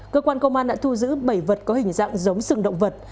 cơ quan công an đã thu giữ bảy vật có hình dạng giống sừng động vật